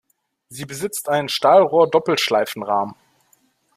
Sie besitzt einen Stahlrohr-Doppelschleifenrahmen.